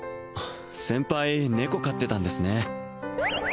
先輩猫飼ってたんですね